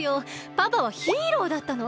パパはヒーローだったの。